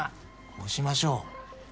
こうしましょう。